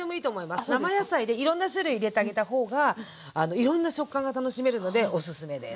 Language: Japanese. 生野菜でいろんな種類入れてあげた方がいろんな食感が楽しめるのでおすすめです。